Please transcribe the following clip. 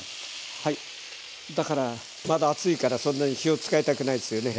はいだからまだ暑いからそんなに火を使いたくないですよね。